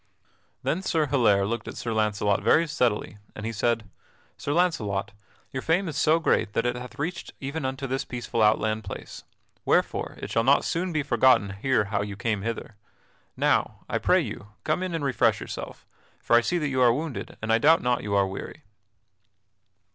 Then Sir Hilaire looked at Sir Launcelot very steadily, and he said: "Sir Launcelot, your fame is so great that it hath reached even unto this peaceful outland place; wherefore it shall not soon be forgotten here how you came hither. Now, I pray you, come in and refresh yourself, for I see that you are wounded and I doubt not you are weary."